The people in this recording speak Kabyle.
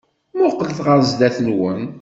Mmuqqlet ɣer sdat-wen.